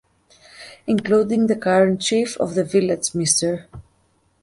Including the current chief of the village Mr.